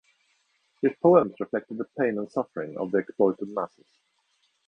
His poems reflected the pain and suffering of the exploited masses.